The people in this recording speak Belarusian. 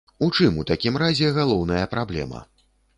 У чым, у такім разе, галоўная праблема?